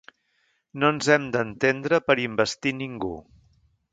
No ens hem d’entendre per investir ningú.